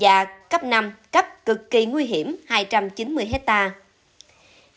và cấp năm cấp cực kỳ nguy hiểm hai trăm chín mươi hectare